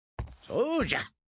そうじゃ。